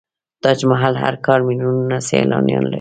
تاج محل هر کال میلیونونه سیلانیان لري.